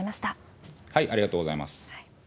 ありがとうございます。